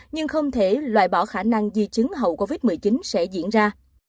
nhưng không thể loại bỏ khả năng di chứng hậu covid một mươi chín sẽ diễn ra